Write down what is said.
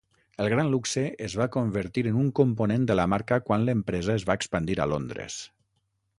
El gran luxe es va convertir en un component de la marca quan l'empresa es va expandir a Londres.